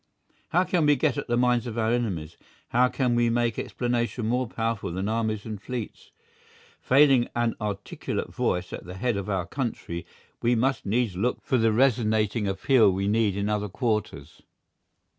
How can we get at the minds of our enemies? How can we make explanation more powerful than armies and fleets? Failing an articulate voice at the head of our country, we must needs look for the resonating appeal we need in other quarters.